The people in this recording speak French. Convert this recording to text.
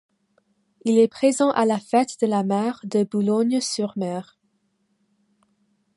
Il est présent à la Fête de la mer de Boulogne-sur-Mer.